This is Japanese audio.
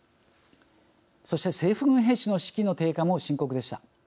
そして政府軍兵士の士気の低下も深刻でした。